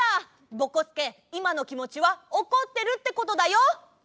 ぼこすけいまのきもちはおこってるってことだよ！